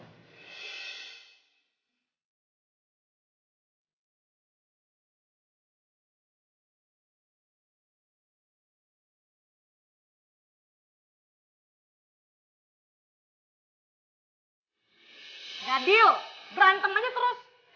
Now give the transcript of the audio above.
gadil berantem aja terus